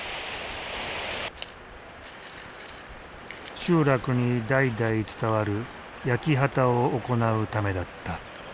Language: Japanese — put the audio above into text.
集落に代々伝わる焼き畑を行うためだった。